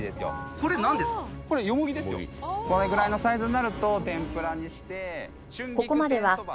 これぐらいのサイズになると天ぷらにして。